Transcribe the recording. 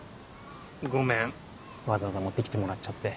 ごめんわざわざ持ってきてもらっちゃって。